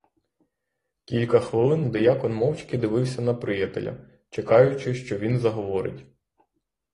Кілька хвилин диякон мовчки дивився на приятеля, чекаючи, що він заговорить.